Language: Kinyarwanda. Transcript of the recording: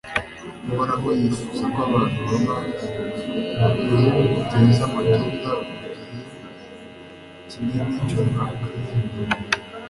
uhoraho yifuza ko abantu baba mu bihugu byeza amatunda mu gihe kinini cy'umwaka